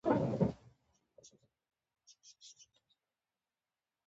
جواهرات د افغانستان یوه طبیعي ځانګړتیا ده.